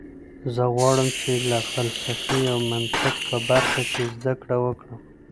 زه غواړم چې د فلسفې او منطق په برخه کې زده کړه وکړم